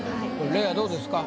嶺亜どうですか？